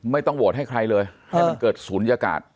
ไม่ต้องโหวตให้ใครเลยให้มันเกิดศูนยากาศ